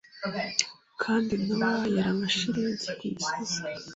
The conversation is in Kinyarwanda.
Kandi Nowa yera nka shelegi Ku misozi